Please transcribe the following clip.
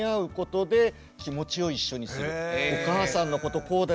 お母さんのことこうだよ。